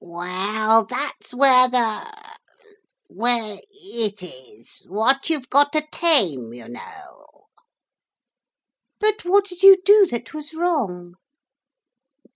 'Well, that's where the ... where it is what you've got to tame, you know.' 'But what did you do that was wrong?'